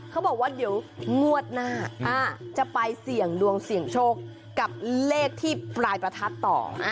เขาบอกว่าเดี๋ยวงวดหน้าจะไปเสี่ยงดวงเสี่ยงโชคกับเลขที่ปลายประทัดต่อ